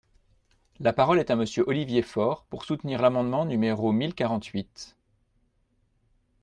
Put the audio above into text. La parole est à Monsieur Olivier Faure, pour soutenir l’amendement numéro mille quarante-huit.